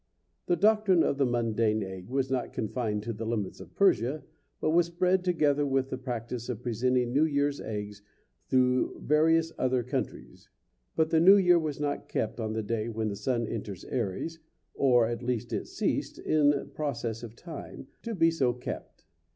The doctrine of the mundane egg was not confined to the limits of Persia, but was spread, together with the practice of presenting New Year's eggs, through various other countries. But the New Year was not kept on the day when the sun enters Aries, or at least it ceased, in process of time, to be so kept.